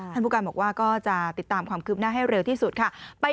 ผู้การบอกว่าก็จะติดตามความคืบหน้าให้เร็วที่สุดค่ะ